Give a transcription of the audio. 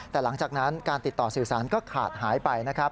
แต่หลังจากนั้นการติดต่อสื่อสารก็ขาดหายไปนะครับ